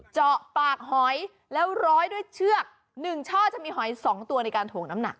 เจาะปากหอยแล้วร้อยด้วยเชือก๑ช่อจะมีหอย๒ตัวในการถ่วงน้ำหนัก